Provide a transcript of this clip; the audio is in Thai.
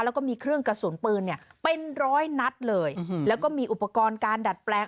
แล้วก็มีเครื่องกระสุนปืนเนี่ยเป็นร้อยนัดเลยแล้วก็มีอุปกรณ์การดัดแปลง